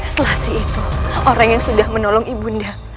selasi itu orang yang sudah menolong ibu undang